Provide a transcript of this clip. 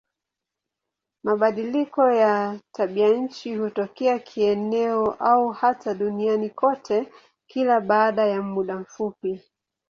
Mabadiliko ya tabianchi hutokea kieneo au hata duniani kote kila baada ya muda fulani.